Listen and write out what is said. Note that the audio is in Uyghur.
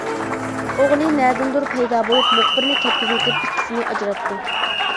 ئوغلى نەدىندۇر پەيدا بولۇپ مۇخبىرنى كەتكۈزۈۋېتىپ، ئىككىسىنى ئاجراتتى.